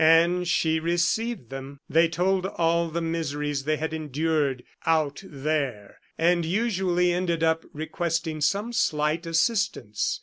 And she received them. They told all the miseries they had endured "out there;" and usually ended by requesting some slight assistance.